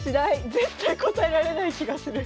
絶対答えられない気がする。